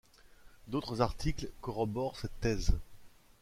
D’autres articles corroborent cette thèse.